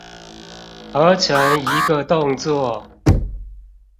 合成一個動作